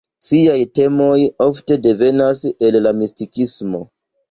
Ŝiaj temoj ofte devenas el la mistikismo.